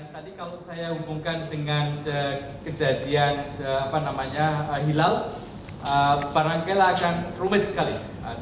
tadi kalau saya hubungkan dengan kejadian hilal barangkali akan rumit sekali